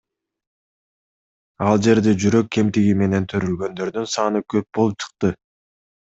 Ал жерде жүрөк кемтиги менен төрөлгөндөрдүн саны көп болуп чыкты.